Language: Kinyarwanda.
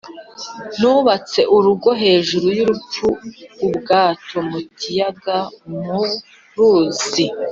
Nubatse urugo hejuru y'urupfu-Ubwato mu kiyaga (mu ruzi)